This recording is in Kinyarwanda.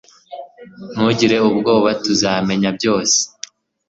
Ntugire ubwoba Tuzamenya byose